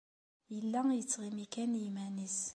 Yella yettɣimi kan i yiman-nnes.